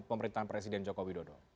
pemerintahan presiden joko widodo